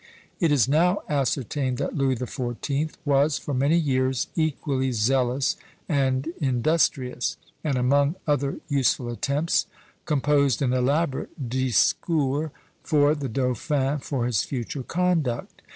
It is now ascertained that Louis the Fourteenth was for many years equally zealous and industrious; and, among other useful attempts, composed an elaborate "Discours" for the dauphin for his future conduct.